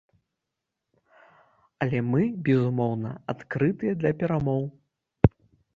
Але мы, безумоўна, адкрытыя для перамоў.